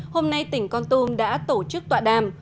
hôm nay tỉnh con tum đã tổ chức tọa đàm